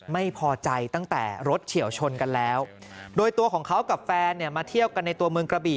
ไม่พอใจตั้งแต่รถเฉียวชนกันแล้วโดยตัวของเขากับแฟนเนี่ยมาเที่ยวกันในตัวเมืองกระบี่